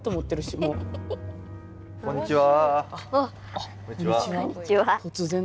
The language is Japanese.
あっこんにちは。